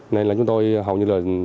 nên là chúng tôi hầu như là